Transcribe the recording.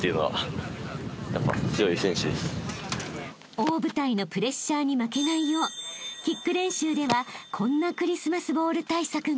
［大舞台のプレッシャーに負けないようキック練習ではこんなクリスマスボウル対策が］